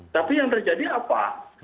tapi yang terjadi apa